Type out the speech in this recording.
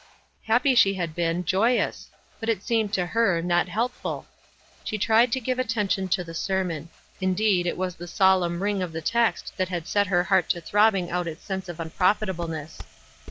Happy she had been, joy ous ; but, it seemed to her, not helpful. She tried to give attention to the sermon. Indeed, it was the solemn ring of the text that had set her heart to throbbing out its sense of unprofit ableness.